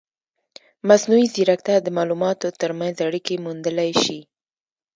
مصنوعي ځیرکتیا د معلوماتو ترمنځ اړیکې موندلی شي.